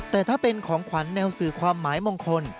แต่ถ้าเป็นของขวัญแนวสื่อความหมายมงคล